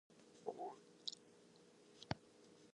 The table below uses an example variable called 'var'.